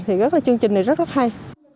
thì chương trình này rất hay